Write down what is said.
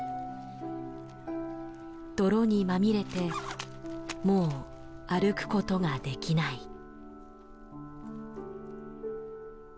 泥にまみれてもう歩くことができない。